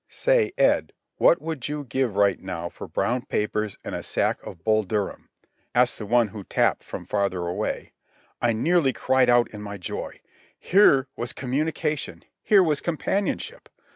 "Say—Ed—what—would—you—give—right—now—for—brown—papers—and—a—sack—of— Bull—Durham!" asked the one who tapped from farther away. I nearly cried out in my joy. Here was communication! Here was companionship!